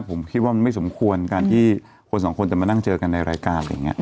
ผมคิดว่ามันไม่สมควรการที่คนสองคนจะมานั่งเจอกันในรายการอะไรอย่างนี้